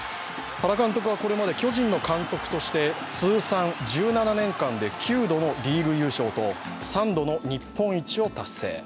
原監督はこれまで巨人の監督として通算１７年間で９度のリーグ優勝と３度の日本一を達成。